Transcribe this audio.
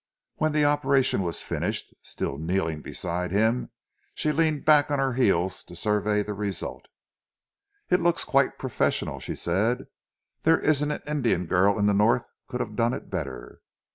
When the operation was finished, still kneeling beside him, she leaned back on her heels to survey the result. "It looks quite professional," she said; "there isn't an Indian girl in the North could have done it better."